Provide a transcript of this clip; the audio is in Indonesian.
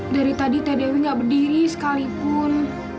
dari tadi tadewi enggak berdiri sekalipun